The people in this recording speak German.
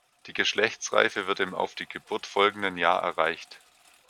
Die Geschlechtsreife wird im auf die Geburt folgenden Jahr erreicht.